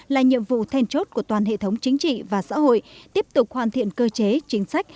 là nhiệm vụ then chốt của toàn hệ thống chính trị và xã hội tiếp tục hoàn thiện cơ chế chính sách